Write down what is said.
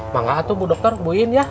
makasih bu dokter buin ya